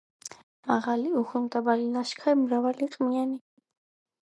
მაღალი, უხვი, მდაბალი, ლაშქარ-მრავალი, ყმიანი,